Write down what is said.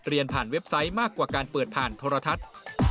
เรียนผ่านเว็บไซต์มากกว่าการเปิดผ่านโทรทัศน์